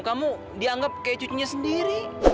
kamu dianggap kayak cucunya sendiri